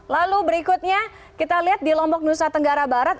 lalu berikutnya kita lihat di lombok nusa tenggara barat